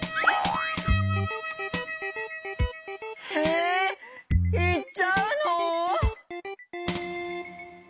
えいっちゃうの？